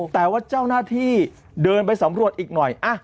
แต่ว่าเจ้าหน้าที่เดินไปสำรวจอีกหน่อย